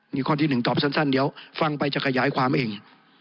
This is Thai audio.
นี่ข้อที่๑ตอบสั้นเดี๋ยวฟังไปจะขยายความเอง